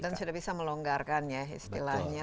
dan sudah bisa melonggarkan ya istilahnya